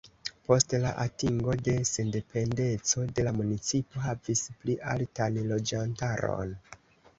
Post la atingo de sendependeco la municipo havis pli altan loĝantaron.